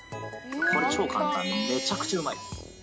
これ、超簡単でめちゃくちゃうまいです。